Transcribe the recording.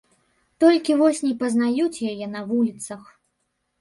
Толькі вось не пазнаюць яе на вуліцах.